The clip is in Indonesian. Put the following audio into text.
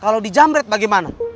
kalau dijamret bagaimana